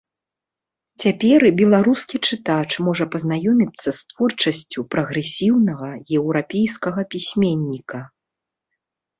Цяпер і беларускі чытач можа пазнаёміцца з творчасцю прагрэсіўнага еўрапейскага пісьменніка.